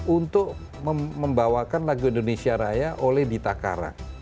untuk membawakan lagu indonesia raya oleh dita kara